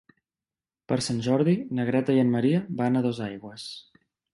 Per Sant Jordi na Greta i en Maria van a Dosaigües.